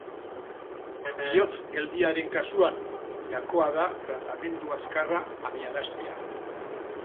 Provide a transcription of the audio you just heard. Bihotz-geldialdien kasuan, gakoa da tratamendu azkarra abiaraztea.